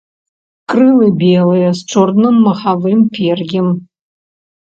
Крылы белыя з чорным махавым пер'ем.